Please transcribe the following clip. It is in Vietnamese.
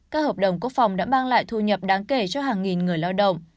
các hợp đồng quốc phòng đã mang lại thu nhập đáng kể cho hàng nghìn người lao động